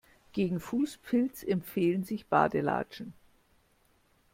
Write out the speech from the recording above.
Gegen Fußpilz empfehlen sich Badelatschen.